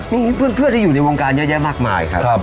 มีเพื่อนที่อยู่ในวงการเยอะแยะมากมายครับ